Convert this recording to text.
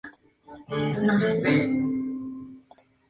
Allí se levanta una fortificación masai.